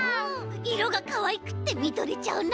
いろがかわいくってみとれちゃうな！